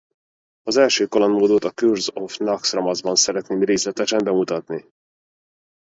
Az első kaland módot a Curse of Naxxramas-t szeretném részletesen bemutatni.